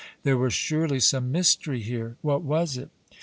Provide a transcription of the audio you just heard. There was surely some mystery here. What was it?